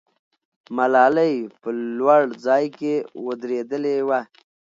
ملالۍ په لوړ ځای کې ودرېدلې وه.